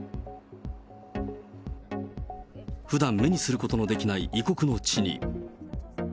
ふだん、目にすることのできない異国の地に。